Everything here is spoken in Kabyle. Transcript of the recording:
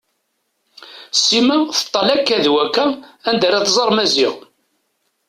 Sima teṭṭal akka d wakka anda ara tẓer Maziɣ.